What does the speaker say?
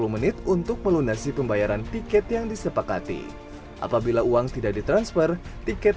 sepuluh menit untuk melunasi pembayaran tiket yang disepakati apabila uang tidak ditransfer tiket